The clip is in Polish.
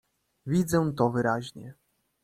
"Widzę to wyraźnie."